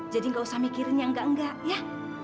jadi nggak usah mikirin ya enggak enggak ya